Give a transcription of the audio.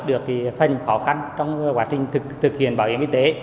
được phần khó khăn trong quá trình thực hiện bảo hiểm y tế